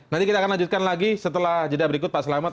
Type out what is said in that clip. nanti kita akan lanjutkan lagi setelah jeda berikut pak selamat